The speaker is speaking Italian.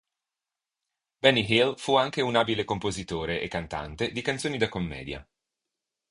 Benny Hill fu anche un abile compositore e cantante di canzoni da commedia.